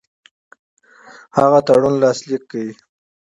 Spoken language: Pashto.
هغه تړون لاسلیک کړ.